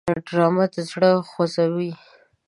ډرامه زړونه خوځوي